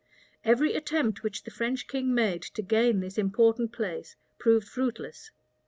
Every attempt which the French king made to gain this important place proved fruitless.